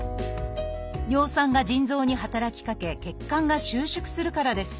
尿酸が腎臓に働きかけ血管が収縮するからです。